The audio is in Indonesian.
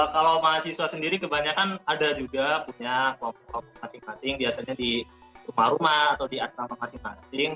kalau mahasiswa sendiri kebanyakan ada juga punya kelompok kelompok masing masing biasanya di rumah rumah atau di asrama masing masing